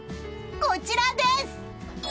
こちらです！